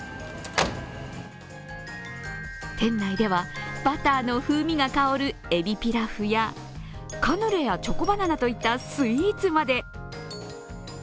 店内ではバターの風味が香るえびピラフやカヌレやチョコバナナといったスイーツまで。